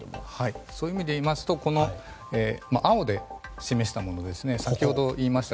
そういう意味で言いますと青で示したもの先ほど言いました